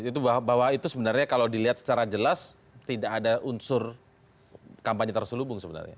itu bahwa itu sebenarnya kalau dilihat secara jelas tidak ada unsur kampanye terselubung sebenarnya